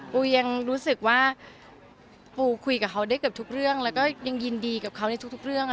ปูยังรู้สึกว่าปูคุยกับเขาได้เกือบทุกเรื่องแล้วก็ยังยินดีกับเขาในทุกเรื่อง